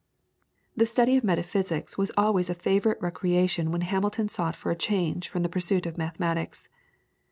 The study of metaphysics was always a favourite recreation when Hamilton sought for a change from the pursuit of mathematics.